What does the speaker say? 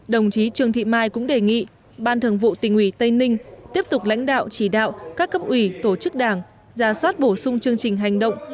đồng chí trương thị mai cũng đề nghị ban thường vụ tỉnh ủy tây ninh tiếp tục lãnh đạo chỉ đạo các cấp ủy tổ chức đảng ra soát bổ sung chương trình hành động